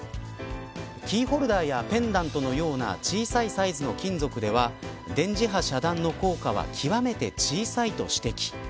キーホルダーやペンダントのような小さいサイズの金属では電磁波遮断の効果は極めて小さいと指摘。